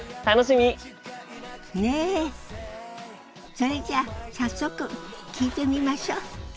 それじゃあ早速聞いてみましょ。